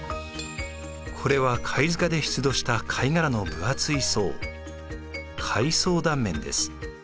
これは貝塚で出土した貝殻の分厚い層貝層断面です。